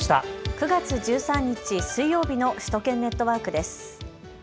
９月１３日水曜日の首都圏ネットワークです。